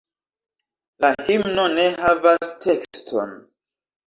La himno ne havas tekston.